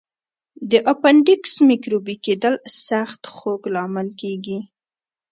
د اپنډکس میکروبي کېدل سخت خوږ لامل کېږي.